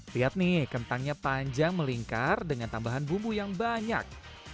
lihat nih kentangnya panjang melingkar dengan tambahan bumbu yang banyak